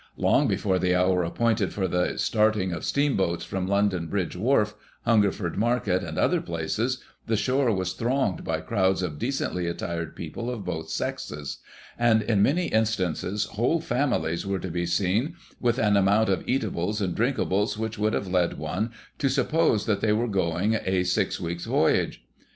Long before the hour appointed for the starting of steamboats from London Bridge Wharf, Hungerford Market, and other places, the shore was thronged by crowds of decently attired people of both sexes ; and, in many instances, whole families were to be seen with an amount of eatables and drinkables which would have led one to suppose that they were going a six weeks' voyage.